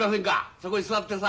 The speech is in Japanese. そこへ座ってさ。